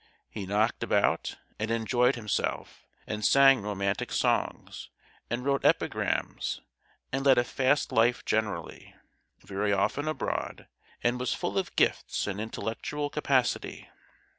He knocked about and enjoyed himself, and sang romantic songs, and wrote epigrams, and led a fast life generally, very often abroad, and was full of gifts and intellectual capacity.